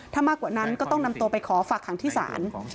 ถ้ามากกว่านั้นก็ต้องนำตัวไปขอฝากหังที่ศาล